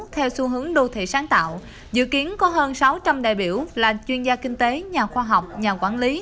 theo xu hướng đô thị sáng tạo dự kiến có hơn sáu trăm linh đại biểu là chuyên gia kinh tế nhà khoa học nhà quản lý